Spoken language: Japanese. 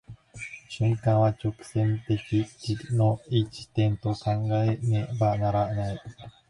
瞬間は直線的時の一点と考えねばならない。